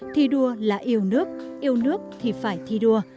thi đua là yêu nước yêu nước thì phải thi đua